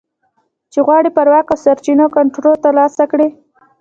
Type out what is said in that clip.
چې غواړي پر واک او سرچینو کنټرول ترلاسه کړي